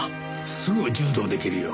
すぐ柔道出来るよ。